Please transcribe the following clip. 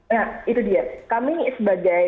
nah itu dia